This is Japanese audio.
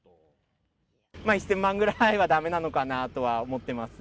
１０００万円ぐらいはだめなのかなとは思ってます。